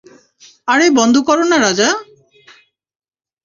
আরে বন্ধ কর না রাজা!